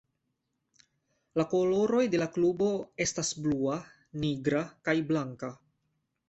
La koloroj de la klubo estas blua, nigra kaj blanka.